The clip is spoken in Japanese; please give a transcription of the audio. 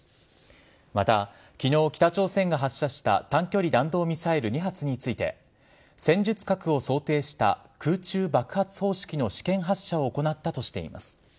また、きのう、北朝鮮が発射した短距離弾道ミサイル２発について、戦術核を想定した空中爆発方式の試験発射を行ったとしています。